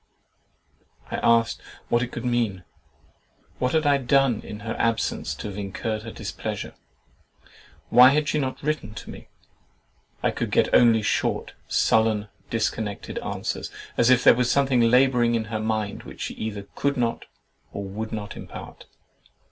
I asked what it could mean? What had I done in her absence to have incurred her displeasure? Why had she not written to me? I could get only short, sullen, disconnected answers, as if there was something labouring in her mind which she either could not or would not impart.